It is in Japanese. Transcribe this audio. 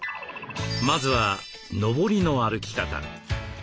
まずはのぼりの歩き方。